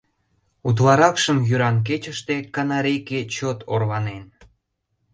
Утларакшым йӱран кечыште канарейке чот орланен.